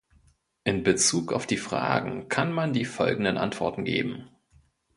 In Bezug auf die Fragen kann man die folgenden Antworten geben: